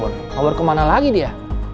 ngobrol kemana lagi dia